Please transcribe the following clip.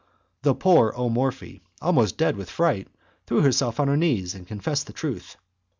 The poor O Morphi, almost dead with fright, threw herself on her knees, and confessed the truth.